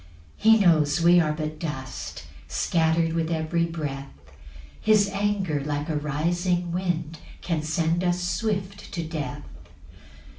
6 He knows we are but dust, Scatter'd with every breath; His anger, like a rising wind, Can send us swift to death.